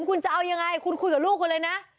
คุณจะเอายังไงคุณคุยกับลูกคุณเลยนะ